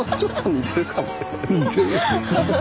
似てる。